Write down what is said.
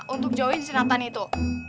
untuk jauhin si nathan itu